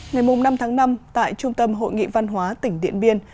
ngày năm tháng năm tại trung tâm hội nghị văn hóa tỉnh điện biên